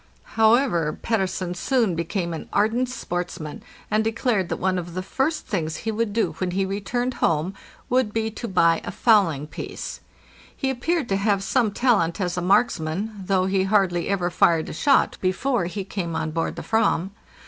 However, Pettersen soon became an ardent sportsman, and declared that one of the first things he would do when he re turned home would be to buy a fowling piece. He appeared to have some talent as a marksman, though he had hardly ever fired a shot before he came on board the Fram.